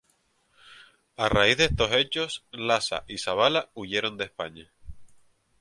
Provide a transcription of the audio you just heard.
A raíz de estos hechos Lasa y Zabala huyeron de España.